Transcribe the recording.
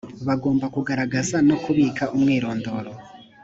bagomba kugaragaza no kubika umwirondoro